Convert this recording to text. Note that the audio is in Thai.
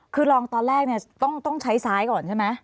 คือลองตอนแรกเนี่ยต้องใช้ซ้ายก่อนใช่ไหม